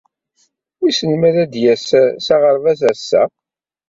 Wissen ma ad d-yas s aɣerbaz ass-a.